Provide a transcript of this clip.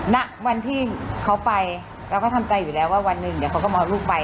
ณวันที่เขาไปเราก็ทำใจอยู่แล้วว่าวันหนึ่งเดี๋ยวเขาก็มาเอาลูกไป